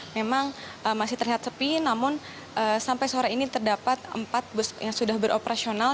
memang masih terlihat sepi namun sampai sore ini terdapat empat bus yang sudah beroperasional